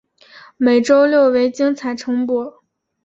每周六为精彩重播。